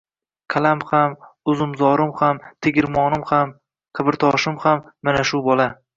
Dalam ham, uzumzorim ham, tegirmonim ham, qabrtoshim ham mana shu bola.